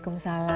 oh seperti itu